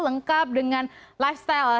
lengkap dengan lifestyle